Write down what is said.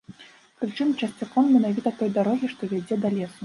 Прычым часцяком менавіта той дарогі, што вядзе да лесу.